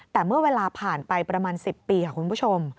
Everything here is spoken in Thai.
แต่เมื่อเวลาผ่านไปประมาณ๑๐ปีค่ะคุณผู้ชม